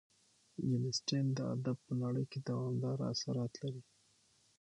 جین اسټن د ادب په نړۍ کې دوامداره اثرات لري.